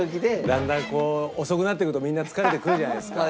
だんだんこう遅くなってくるとみんな疲れてくるじゃないですか。